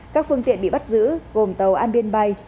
các phương tiện bị bắt giữ gồm tàu an biên bay